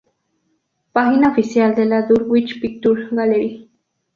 Página oficial de la Dulwich Picture Gallery